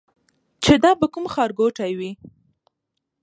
چې دا به کوم ښار ګوټی وي.